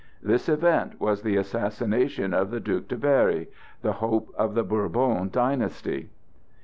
This event was the assassination of the Duc de Berry, the hope of the Bourbon dynasty.